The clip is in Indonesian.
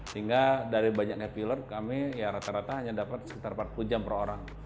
sehingga dari banyak netiler kami ya rata rata hanya dapat sekitar empat puluh jam per orang